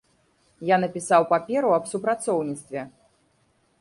Я напісаў паперу аб супрацоўніцтве.